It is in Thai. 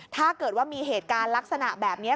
ถ้าเกิดว่ามีเหตุการณ์ลักษณะแบบนี้